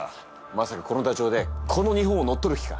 まさかこのダチョウでこの日本を乗っ取る気か？